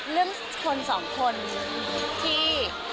เรื่องคนสองคนที่